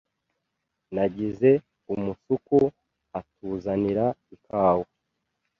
Nagize umusuku atuzanira ikawa.